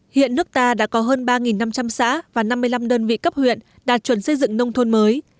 hiện nước ta đã có hơn ba năm trăm linh xã và năm mươi năm đơn vị cấp huyện đạt chuẩn xây dựng nông thôn mới